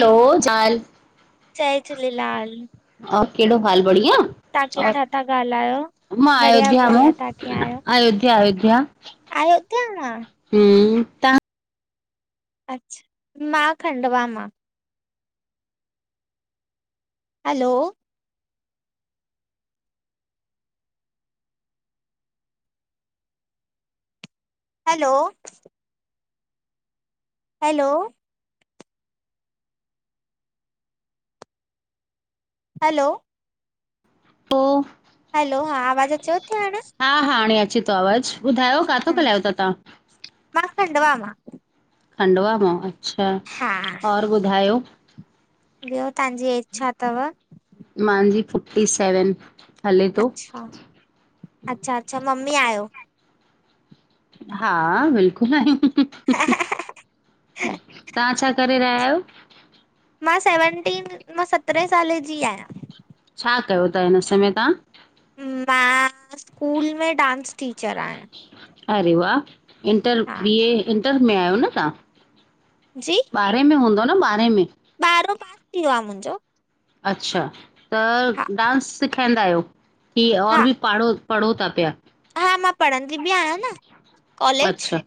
हलो जाल। जय झूलेलाल। और कहिड़ो हाल, बढ़िया? तव्हां और, किथां था ॻाल्हायो? मां बढ़िया अयोध्या बढ़िया मूं, तव्हां अयोध्या, अयोध्या। आयोयोतां हम्म त। अच्छा, मां खंडवा मां। हलो हलो हैलो हलो लो हलो हा आवाज़ अचेव थी हाणे? हा हा, हाणे अचे थो, आवाज़ु ॿुधायो, ककथां हा ॻाल्हायो था तव्हां? मां खंडवा मां। खंडवा मां, अच्छा, हा और ॿुधायो। ॿियो तव्हांजी एज छा अथव? मुंहिंजी फिफ्टी सेवन। हले थो अच्छा, अच्छा, अच्छा मम्मी आहियो? हा, बिल्कुल आहे। तव्हां छा त विरायो। मां, सेवनटीन मां सत्रहें साले जी आहियां। छा, कयो था, हिन समय में तव्हां? मां, स्कूल में डांस टीचर आहियां। अरे वाह, इंटर हा बीए इंटर में आहियो न तव्हां? जी। ॿारहें में हूंदो न, ॿारहें में? ॿारहों पास थी, वियो आहे मुंहिंजो। अच्छा, हा त डांस सिखाईंदा आहियो, की और हा बि पढ़ो? पढ़ो, था पिया? हा। मां पढ़ंदी बि, आहियां न कॉलेज अच्छा,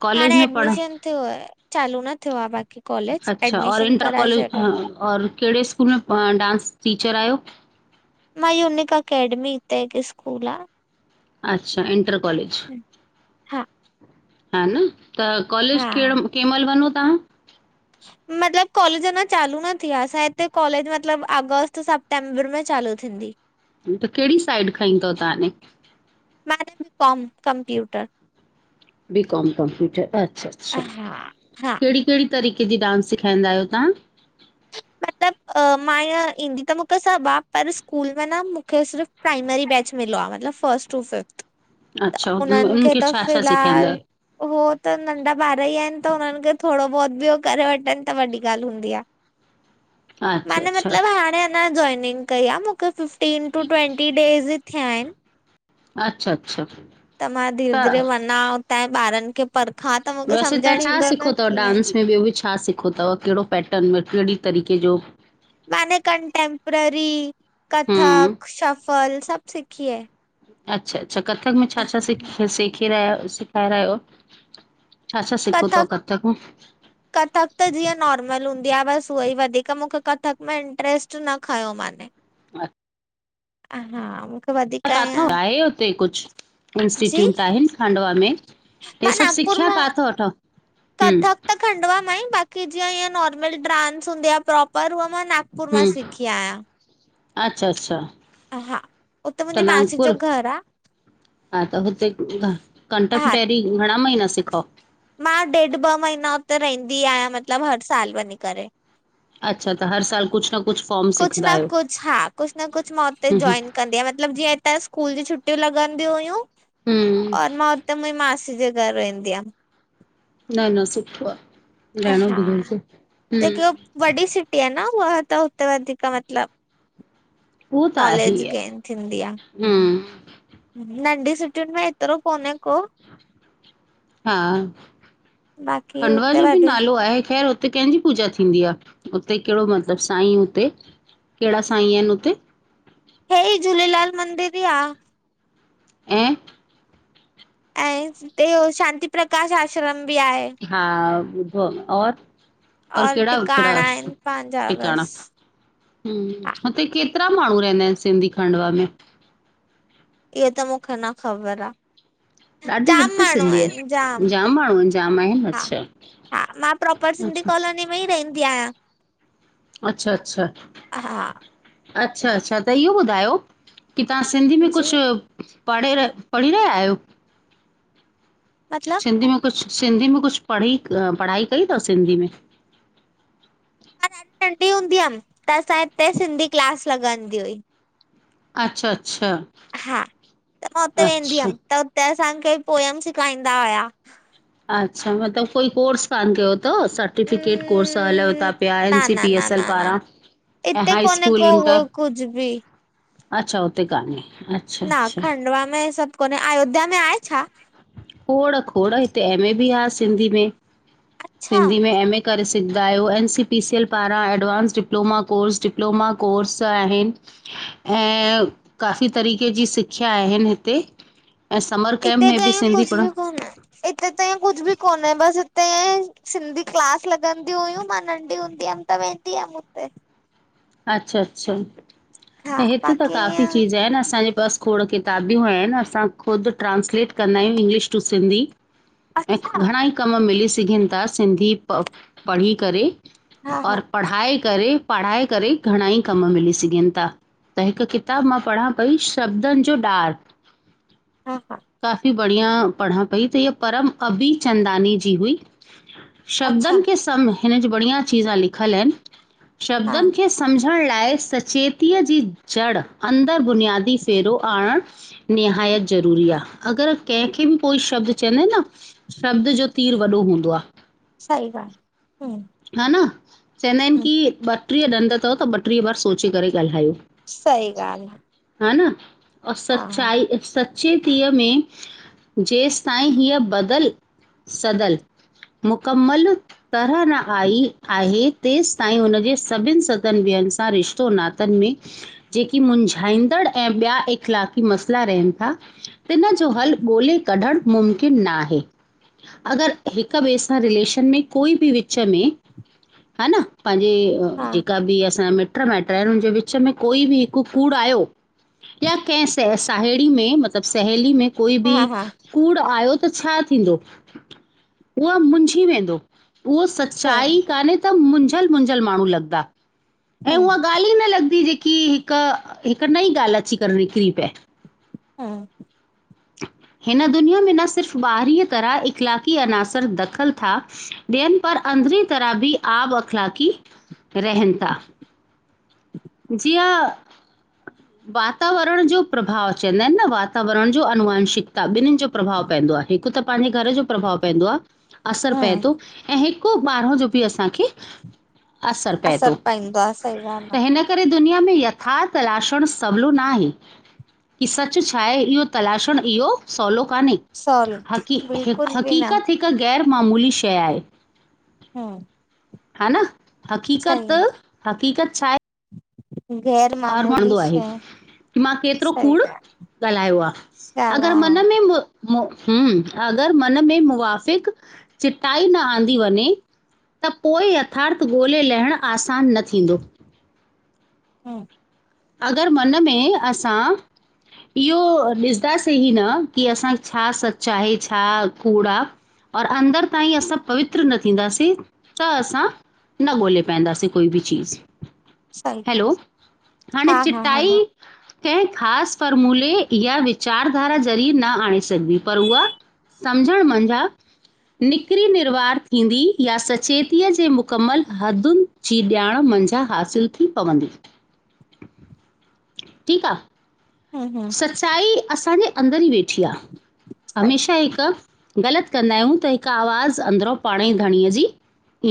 कॉलेज हाणे में पढ़ एडमिशन चालू न थियो, आ बाक़ी कॉलेज, अच्छा और एड्मिशन इंटर कराए कॉलेज अ, छॾियो आहे। और कहिड़े स्कूल में डांस टीचर आहियो? मा यूनिक अकैडमी ईते हिकु स्कूल आ। अच्छा, इंटर कॉलेज। ह, हा। हा। न, त कॉलेज हा केहड़ो कंहिं महिल वञो तव्हां? मतिलबु कॉलेज अञा चालू न थिया। असांजे हिते कॉलेज मतिलबु अगस्त सां मेम्बर मे चालू थिंदी। त कहिड़ी साइड खई तव तव्हाणे? मै B com computer. B, com computer अच्छा, अच्छा, हा हा कहिड़ी, कहिड़ी? तरीक़े जी डांस सेखारींदा आहियो तव्हां। मतलब मां ईअं, ईंदी त मूंखे सभु आहे। पर स्कूल में न मूंखे सिर्फ़। प्राइमरी बैच मिलो आ मतलबु फर्स्ट टू फिफ्थ त अच्छा, उन उन्हनि खे उनखे त छा-छा सेखारींदा फ़िलहाल आहियो? उ त नंढा ॿार ई आहिनि, त हुननि खे थोरो बहुत बि, उ करे वठनि त वॾी ॻाल्हि हूंदी आहे। अच्छा, माना अच्छा, मतिलबु हाणे अञा जॉइनिंग कई आहे मूंखे फ़िफ्टीन टू ट्वंटी डेज़ थिया आहिनि। अच्छा, अच्छा। त मां, धीरे, धीरे त वञा हुतांजे ॿारनि खे परखां त मूंखे वैसे तव्हां सम्झण छा ईंदो सिखो न ता, कीअं आहे। डांस में ॿियो बि छा सिखो था केड़ो पैटर्न में, केड़ी तरीक़े जो? मैने कंटेमप्रेरी, हम्म कथक, शफल, सभ सिखी है। अच्छा अच्छा, कथक में छा, छा सिखी रह सिखाए रहियायो? छा, छा सिखो तव कथक मे? कथक त जीअं नॉर्मल हूंदी आ, बस उअई वधीक मूखे कथक में इंट्रस्ट न खंयो मानें। अच् अ हा वधीक काथौं, ईअं आहे उते कुछ जी इन्स्टीट्यूट आहिन, खांडवा में? हे मां सभ नागपुर सिखया मां काथों वठो? हूं कथक त खंडवा मां ईं, बाकी जीअं ईंअं नॉर्मल ड्रांस हूंदी आ प्रोपर, उहा मां नाग नागपुर मां सिखी आयां। अछा, अच्छा हा, उते त मुंजी मासी नागपुर जो घर आ। हा, त हुते कंटक हा टैरी घणा महीना सिखौ? मां ॾेढ़ ॿ महीना हुते रहिंदी आयां, मतलब हर साल वञी करे। अच्छा, त हर साल कुछ न कुु कुछ न कुछ हा, कुछ न कुछ मां हुते हम्म जोइन कंदीयां, मतलब जीअं इतां स्कूल जी छुटयूं लॻंदयूं हुयूं हम्म और मां हुते मुंजी मासी जे घर वेंदी हुयम। न न सुठो आ, रहणो हुयमि हा बि हुजे, हूं। जेकी वॾी सिटी आ न हूअ, त हुते वधीक मतलब उहो त आहे ई आहे, हूं। नंढ़ी सिटयुन में एतरो कोन्हें को। हा, बाक़ी खंडवा हुते जो वॾे बि नालो आहे ख़ैर उते कंहिंजी पूजा थींदी आ, उते केड़ो मतलब साईं हुते, केड़ा साईं एन हुते? हेई झूलेलाल मंदिर बि आ। ऐं अएं इते हो शांती प्रकाश आश्रम बि आहे। हा, ॿुधो आ मां, और, और केढ़ा टिकाणा केढ़ा आहिनि पंहिंजा बस टिकाणा? हूं, हा हुते केतरा माण्हूं रहंदा एन सिंधी, खंडवा में? इए त मूखे न ख़बर आ। ॾाढी जाम घट माण्हू सिंधी आहिनि एन, जाम माण्हूंअन, जाम आहिन हा अच्छा। हा, मां प्रौपर सिंधी अच्छा कॉलोनी में ई रहिंदी आयां। अच्छा अच्छा, अच्छा अच्छा त इहो ॿुधायो? की तहां सिंधी में जी कुछ, पढ़े र पढ़ी रहियायो? मतलब? सिंधी में कुछ सिंधी में कुछ पढ़ी, पढ़ाई कई तव सिंधी में? ॾाढ़ी नंढ़ी हूंदी हम, त असांजे हिते सिंधी क्लास लॻंदी हुई। अच्छा अच्छा हा, त मां हुते वेंदी अच्छा, हम त हुते असांखे पोयम सिखाईंदा हुया। अच्छा, मतलब फुल कोर्स कान क्यो तव, स न सेर्टीफिकेट कोर्स हलव् ता प्या, N, C, P, S L पारां। ऐं इते हाई कोने स्कूल को उहो इंटर कुझ बि। अच्छा हुते कान्हें अ न खंडवा में हे सभ कोनें, अयोध्या में आहे छा? खोड़ खोड़, हिते एम, ए बि आ, सिंधी में अच्छा सिंधी में एम, ए। करे सघंदा आहियो एन सी पीसी एल पारां advance diploma course diploma course आहिनि। ऐं, काफ़ी तरीक़े जी सिखिया आहिनि हिते। ऐं समर कैम्प हिते त में बि ईअं सिंधी कुझ पढ़ बि कोन आय हिते त ईअं कुझु बि कोन्हे बसि हिते सिंधी क्लास लॻंदी हुयूं मां नंढी हूंदी हुयमि त वे त वेंदी हुयम हुत्ते। अच्छा अच्छा, हा ऐं हिते त बाक़ी काफ़ी ईअं चीज़ आहिनि असांजे पास खोड़ किताबूं आहिनि असां खुदि ट्रांस्लेट कंदा आहियूं इंग्लिश टू सिंधी। ऐं अच्छा घणाई कम मिली सघनि था सिंधी प पढ़ी करे हा और हा पढ़ाए करे पढ़ाए करे घणाई कम मिली सघनि था। त हिकु किताबु मां पढ़ां पई शब्दनि जो डार्क हा हा काफ़ी बढ़िया पढ़ा पई त इ परम अभी चंदानी जी हुई। अच्छा शब्दनि के सम हिनज बड़िया चीज़ा लिखियल आहिनि हा शब्दनि खे सम्झण लाइ सचेतीअ जी जड़ अंदरि बुनियादी फेरो आणणु निहायत ज़रूरी आहे। अगरि हा, कंहिंखे बि कोई शब्द चवंदा आहिनि न शब्द जो तीर वॾो हूंदो आहे। साई ॻाल आ हम्म हा न चवंदा आहिनि हम्म की ॿटीह ॾंद अथव त ॿटीह बार सोचे करे ॻाल्हायो। सही गाल आहे। हा न अ सचाई सचेतीअ में जेसि ताईं हीअ बदल सदल मुकमलु तरह न आई आहे तेसि ताईं हुनजे सभिननि सतनि ॿियनि सां रिश्तो नातनि में जेकी मुंझाईंदड़ ऐं ॿिया इख़लाक़ी मसइला रहनि था तिन जो हलु ॻोल्हे कढणु मुमकिन न आहे अगरि हिक रे सां रिलेशन में कोई बि वि विच में हा न पंहिंजे हा जेका बि असां मिट मैटर आहिनि हुनजे विच में कोई बि हिकु कूड़ आयो या कंहिं स साहेड़ी में मतिलबु सहेली में कोई हा बि हा हा, कूड़ आयो त छा थींदो उहा मुंझी वेंदो उहो सही सच्चाई कान्हे त मुंझल मुंझल माण्हू लॻंदा ऐं उहा हम्म ॻाल्हि ई न लॻंदी जेकी हिकु हिकु नई ॻाल्हि अची करे निकिरी पए हा हिन दुनिया में न सिर्फ़ु ॿारहीं तरह इखलाक़ी अनासरु दख़ल था डेन पर अंदरी तरह बि आब अखलाकी रहन था जीआ वातावरण जो प्रभाव चवंदा आहिनि न वातावरण जो अनुवंशिकता ॿिन्नि जो प्रभाव पवंदो आहे हिकु त पंहिंजे घर जो प्रभाव पवंदो आहे असरु हम्म पए थो ऐं हिकु ॿारहों जो बि असांखे असर पए थो पईंदो आ, सही ॻाल्हि आ, त हीनल करे दुनिया में यथार्थ लाशण सवलो न आहे की सच छा आहे इहो तलाशणु इहो सवलो कन्हे सॉरी हकी बिल्कुल बि न हकीक़त हिकु गैर मामूली शइ आहे हा ह न हक़ीक़त, हक़ीक़त छा आहे? गैर मामूली शय की मां केतिरो कूड़ ॻाल्हायो आ, ॻाल्हि ॻाल्हि अगरि मन आ, में मु अगरि मन में मुवााफ़िक़ चिटाई न आंदी वञे त पोइ यथार्थ ॻोल्हे लहणु आसान न थींदो। हु। अगरि मन में असां इहो ॾिसंदासे ई न की असांखे छा सच आहे, छा कूड़ आ? और अंदर ताईं असां पवित्र न थींदासीं त असां न ॻोल्हे पाइन्देदासे कोई बि चीज़ सही। हैलो हाणे हा हा चिटाई [inaudible] कंहिं ख़ासि फ़ॉर्मुले या विचारधारा ज़रिए न आणे सघिबी पर उहा सम्झणु मंझा निकरी निर्वार थींदी या सचेतीअ जे मुकमलु हदुनि जी ॼाण मंझा हासिलु थी पवंदी। ठीकु आह। हूं हूं सचाई असांजे अंदर ई वेठी आ सही हमेशह हिकु ग़लत कंदा आहियूं त हिकु आवाज़ अंदरो पाण ई घधणीअ जी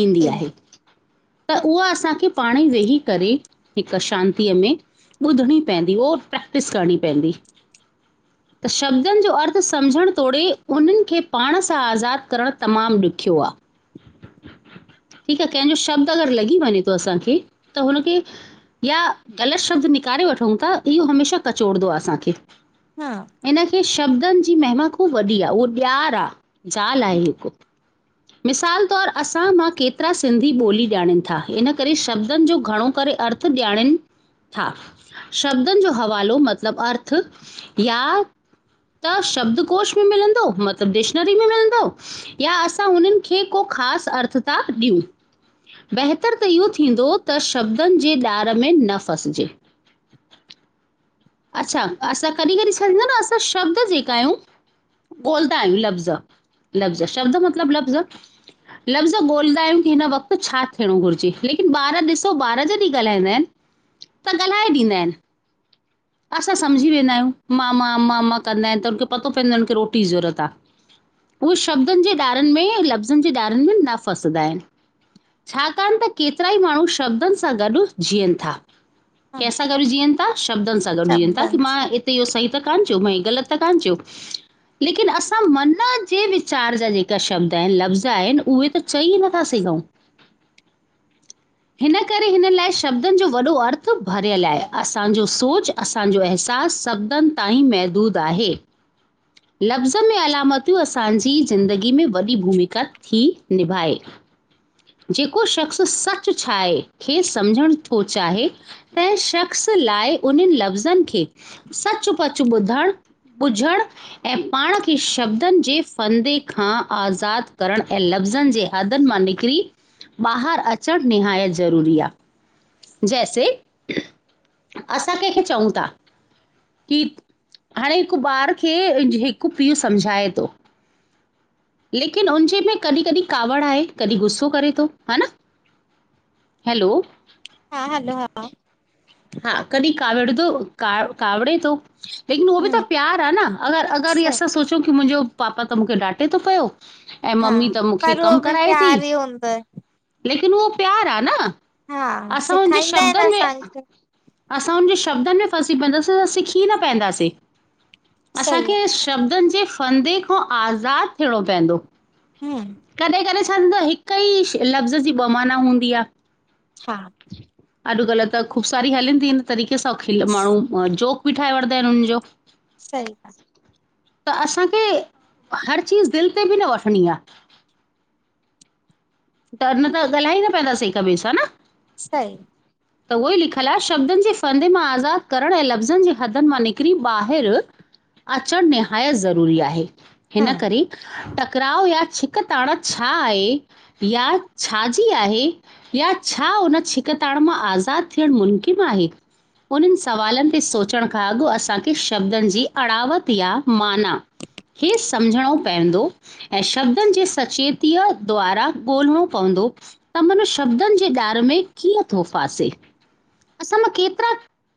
ईंदी आहे। त उहा असांखे पाण ई वेही करे हिकु शांतीअ में ॿुधणी पहंदी और प्रैक्टिस करणी पहंदी। [inaudible] त शब्दनि जो अर्थ सम्झणु तोड़े उन्हनि खे पाण सां आज़ादु करणु तमामु ॾुखियो आ। ठीकु आ, कंहिंजो शब्द अगरि लॻी वञे थो असांखे त हुनखे या ग़लत शब्द निकारे वठूंह था इहो हमेशाह कचोड़ंदो आ। असांखे, हूं इनखे शब्दनि जी महिमा ख़ू वॾी आह उह ॾियारु आह। जाल आहे हिकु। [inaudible] मिसाल तौर असां मां केतिरा सिंधी ॿोली ॼाणीन था इन करे शब्दन जो घणो करे अ र्थ ॼाणनि था शब्दन जो हवालो मत मतलब अर्थ या त शब्दकोश बी मिलंदो मतिलबु डिक्शनरी में मिलन्दो या असां उनीन खे को ख़ास अर्थ था ॾियूं। बहितर त इहो थींदो त शब्दन जे ॾार में न फसिजे। असां, असां कॾहिं कॾहिं छा थींदो न असां शब्द जेका आहियूं ॻौलदा आयूं लफ़्ज़, लफ़ज़ शब्द मतलब लफ़्ज़। लफ़्ज़ ॻोल्हंदा आहियूं की हिन वक़्तु छा थियणो घुरिजे लेकिन ॿार ॾिसो ॿार जॾहिं ॻाल्हाईंदा आहिन त ॻाल्हाए ॾींदा आहिन। असां सम्झी वेंदा आहियूं, मा, मा, मा कंदा आहिनि त हुनखे पतो पवंदो आहे हुनखे रोटी जी ज़रूरत आ। उहे शब्दन जे धारन में लफ़्ज़नि जे धारन में न फसंदा आहिन। छाकाण त केतिरा ई माण्हू शब्दन सां गॾु ॼीअन था। हूं कैसा गॾ ॼीयन, शब्दन सां गॾ ॼीयन था कि शब्दनि मां सां त इहो सही त कान चियो मइ ग़लत त कान चि यो। लेकिन असां मन जे विचार जा जेका शब्द आहिन, लफ़्ज़ आहिन, उहे त चई नथा सघूं। - - [inaudible] हिन करे हिन लाइ शब्दनि जो वॾो अर्थ भरियल आहे, असांजो सोच असांजो अहसास शब्दनि ताईं महदूदु आहे लफ़्ज़नि में अलामतियूं असांजी ज़िंदगी में वॾी भूमिका थी निभाए। जेको शख़्स सच छा आहे खे सम्झण थो चाहे - - ऐं शख़्स लाइ उन्हन लफ़्ज़न खे सचपच ॿुधणु - - ॿुझण - - ऐं पाण खे शब्दनि जे फ़ंदे खां आज़ादु करणु ऐं लफ़्ज़नि जे - - आदनि मां निकरी - - ॿाहिर अचणु निहायत ज़रूरी आ जैसे असां कंहिंखे चऊं ता की हाणे हिकु ॿार खे हिकु पीउ, सम्झाए तो लेकिन उनजे में कॾहिं-कॾहिं कावड़ आहे, कॾहिं गुस्सो करे तो। हा न। हैलो - - हा हलो हा - - हा कॾी कावड़ दो का कावड़े तो लेकिन उह बि त हूं प्यार - - ह न अगर-अगर इ सही असां सोचूं कि मुंहिंजो पापा त मुखे डांटे तो पयो ऐं हा मम्मी त मुखे पर उहो कमु बि कराए ती, प्यार ई हूंदो आहे, लेकिन उहो प्यार आ न हा असां हुनजे सेखारींदा आहिनि शब्दन में असांखे असां हुन जे शब्दन में फसी पवंदासीं, सिखी न पवंदासीं, सही असांखे आ - - शब्दनि जे फदे खां आज़ादु थियणो पवंदो, हूं कॾहिं-कॾहिं छा थींदो हिकु कई लफ़्ज़ जी बमाना हूंदी आ। हा। अॼुकल्ह त ख़ूब सारी हलन ती इन तरीक़े सां खिल माण्हू - - जोक बि ठाहे वठदा आहिन हुनजो। सई आ। त असांखे हर चीज़ दिल ते बि न वठणी आ त न त ॻाल्हाए ई न पवंदासीं हिक ॿे सां न - - सई - - त उहो ई लिखियलु आहे शब्दनि जे फ़ंदे मां आज़ादु करणु ऐं लफ़्ज़नि जे हदन मां निकिरी ॿाहिर अचणु निहायत ज़रूरी आहे हिन हूं करे टक क्राओ या छिक ताण छा आहे या छाजी आहे या छा हुन छिकताण मां आज़ादु थियणु मुनकिम आहे उन्हनि सवालनि ते सोचण खां अॻु असांखे, शब्दनि जी अड़ावत या माना इहे समुझणो पवंदो ऐं शब्दनि जे सचेतीअ द्वारा ॻोल्हणो पवंदो त मन शब्दनि जे ॼार में कीअं तो फासे, असां मां केतिरा